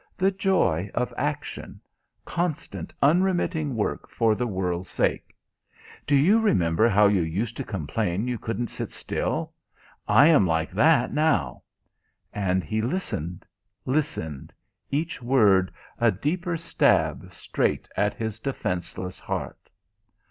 the joy of action; constant, unremitting work for the world's sake. "Do you remember how you used to complain you couldn't sit still? I am like that now " And he listened, listened, each word a deeper stab straight at his defenceless heart.